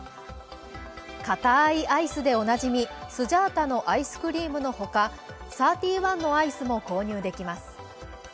かたいアイスでおなじみスジャータのアイスクリームのほか、サーティワンのアイスも購入できます。